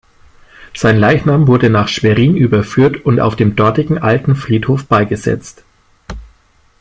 Sein Leichnam wurde nach Schwerin überführt und auf dem dortigen Alten Friedhof beigesetzt.